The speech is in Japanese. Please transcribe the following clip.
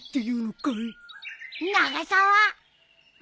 永沢！